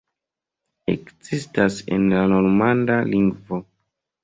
Ekzistas en la normanda lingvo.